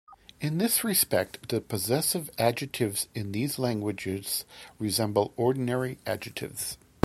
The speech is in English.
In this respect the possessive adjectives in these languages resemble ordinary adjectives.